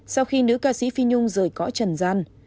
sau khi nữ ca sĩ phi nhung rời cõi trần gian